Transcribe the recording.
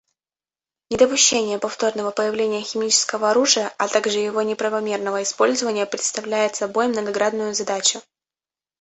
Недопущение повторного появления химического оружия, а также его неправомерного использования представляет собой многогранную задачу.